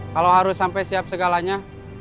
kalau harus sampai siap segalanya